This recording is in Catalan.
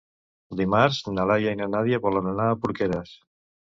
Dimarts na Laia i na Nàdia volen anar a Porqueres.